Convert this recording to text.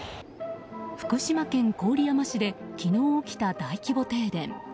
福島県郡山市で昨日起きた大規模停電。